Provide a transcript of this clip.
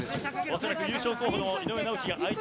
恐らく優勝候補の井上直樹が相手。